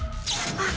あっ。